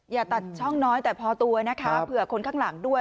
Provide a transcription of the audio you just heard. อย่าตัดช่องน้อยแต่พอตัวนะคะเผื่อคนข้างหลังด้วย